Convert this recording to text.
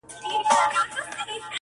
• دا سرګم د خوږې میني شیرین ساز دی,